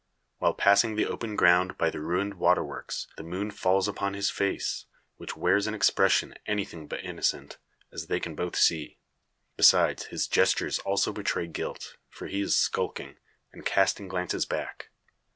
While passing the open ground by the ruined waterworks, the moon falls full upon his face, which wears an expression anything but innocent, as they can both see. Besides, his gestures also betray guilt; for he is skulking, and casting glances back.